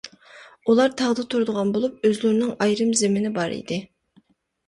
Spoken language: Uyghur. ئۇلار تاغدا تۇرىدىغان بولۇپ، ئۆزلىرىنىڭ ئايرىم زېمىنى بار ئىدى.